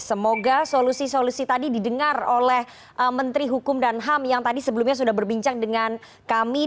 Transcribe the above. semoga solusi solusi tadi didengar oleh menteri hukum dan ham yang tadi sebelumnya sudah berbincang dengan kami